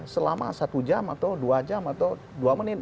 selama satu jam atau dua jam atau dua menit